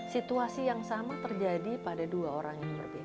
situasi yang sama terjadi pada dua orang